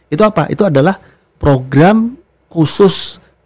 itu apa itu adalah program khusus